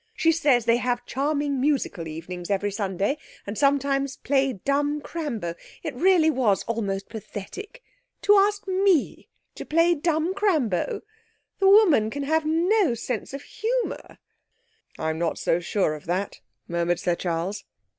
She says they have charming musical evenings every Sunday, and sometimes play dumb crambo! It was really almost pathetic. To ask me to play dumb crambo! The woman can have no sense of humour!' 'I'm not so sure of that,' murmured Sir Charles.